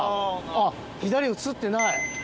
あっ左映ってない。